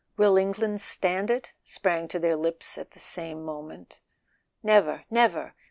"Will England stand it?" sprang to their lips at the same moment. Never—never!